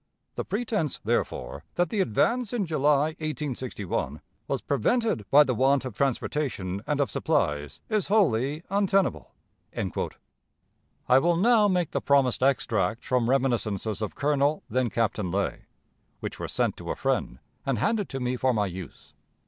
The pretense, therefore, that the advance in July, 1861, was prevented by the want of transportation and of supplies is wholly untenable." I will now make the promised extracts from reminiscences of Colonel (then Captain) Lay, which were sent to a friend, and handed to me for my use.